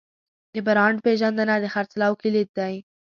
د برانډ پیژندنه د خرڅلاو کلید دی.